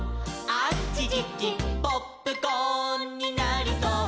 「あちちちポップコーンになりそう」